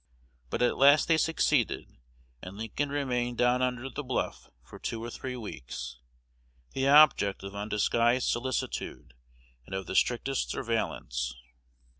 But at last they succeeded; and Lincoln remained down under the bluff for two or three weeks, the object of undisguised solicitude and of the strictest surveillance.